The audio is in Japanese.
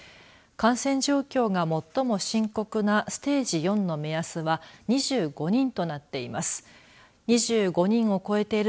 感染状況が最も深刻なステージ４の目安は２５人となっています。